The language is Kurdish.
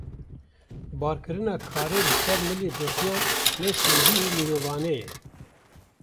Barkirina karê li ser milê girtiyan ne sincî û mirovane ye.